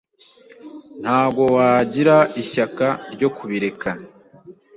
ntago wagira ishyaka ryo kukireka.